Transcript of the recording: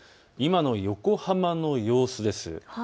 今の横浜の様子です。